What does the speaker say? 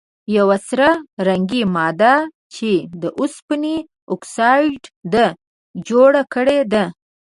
یوه سره رنګې ماده چې د اوسپنې اکسایډ ده جوړه کړي ده.